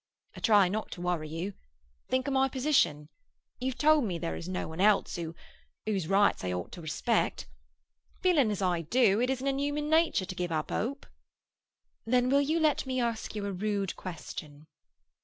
"I try not to worry you. Think of my position. You have told me that there is no one else who—whose rights I ought to respect. Feeling as I do, it isn't in human nature to give up hope!" "Then will you let me ask you a rude question?"